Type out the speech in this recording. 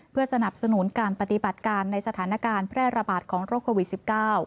เพื่อสนับสนุนการปฏิบัติการในสถานการณ์แพร่ระบาดของโรคโควิด๑๙